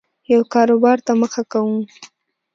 یو کاربار ته مخه کوو